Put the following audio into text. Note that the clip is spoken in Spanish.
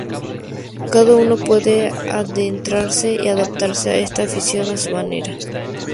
Cada uno puede adentrarse y adaptar esta afición a su manera.